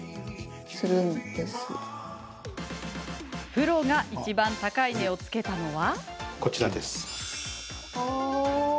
プロがいちばん高い値をつけたのは？